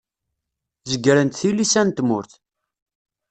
Zegrent tilisa n tmurt.